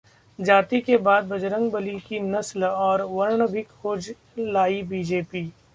जाति के बाद बजरंगबली की नस्ल और वर्ग भी खोज लाई बीजेपी!